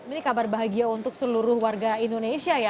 ini kabar bahagia untuk seluruh warga indonesia ya